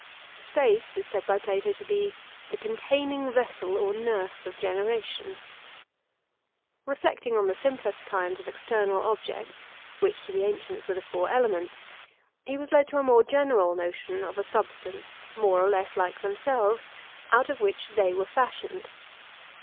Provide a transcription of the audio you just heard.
Space is said by Plato to be the 'containing vessel or nurse of generation.' Reflecting on the simplest kinds of external objects, which to the ancients were the four elements, he was led to a more general notion of a substance, more or less like themselves, out of which they were fashioned.